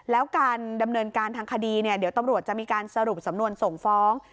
แล้วการดำเนินการทางคดีเนี่ยเดี๋ยวตำรวจจะมีการสรุปสำนวนส่งฟ้อง